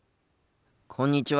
こんにちは。